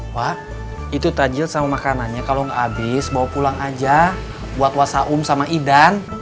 wah itu tajil sama makanannya kalau nggak habis bawa pulang aja buat wasaum sama idan